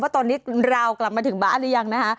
ตอนนี้ราวกลับมาถึงบ้านหรือยังนะคะ